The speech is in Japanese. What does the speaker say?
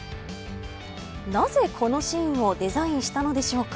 なぜこのシーンをデザインしたのでしょうか。